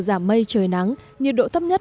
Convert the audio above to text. giảm mây trời nắng nhiệt độ thấp nhất